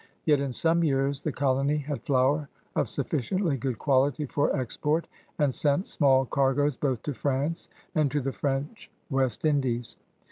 Yet in some years the colony had flour of sufficiently good quality for export, and sent small cargoes both to France and to the French West Indies.